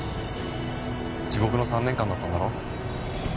地獄の３年間だったんだろ？